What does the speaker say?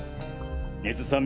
根津さん